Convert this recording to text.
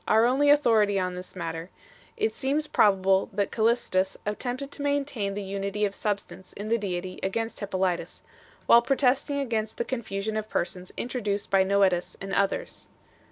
our only au thority on this matter, it seems probable that Callistus attempted to maintain the unity of Substance in the Deity against Hippolytus, while protesting against the confusion of Persons introduced by Noetus and others.